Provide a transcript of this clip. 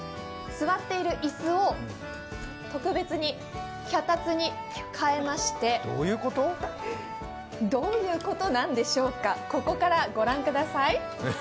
座っている椅子を特別に脚立に変えましてどういうことなんでしょうか、ここから御覧ください。